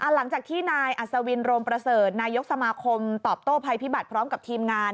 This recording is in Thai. หลังจากที่นายอัศวินโรมประเสริฐนายกสมาคมตอบโต้ภัยพิบัติพร้อมกับทีมงาน